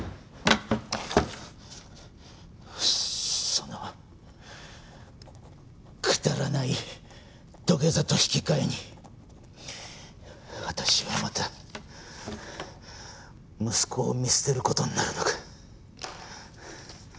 そのくだらない土下座と引き換えに私はまた息子を見捨てる事になるのか。